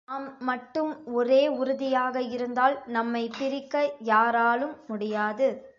நாம் மட்டும் ஒரே உறுதியாக இருந்தால் நம்மைப் பிரிக்க யாராலும் முடியாது.